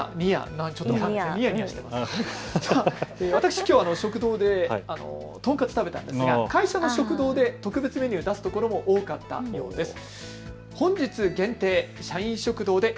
私きょう食堂で豚カツを食べたんですが会社の食堂で特別メニューを出すところも多かったそうです。